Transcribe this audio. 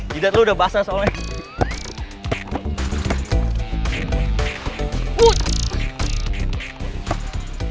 jidat lo udah basah soalnya